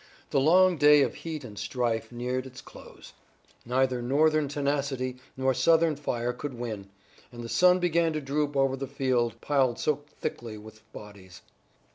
The long day of heat and strife neared its close. Neither Northern tenacity nor Southern fire could win, and the sun began to droop over the field piled so thickly with bodies.